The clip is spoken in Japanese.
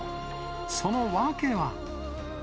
その訳は。